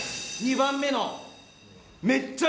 ２番目の！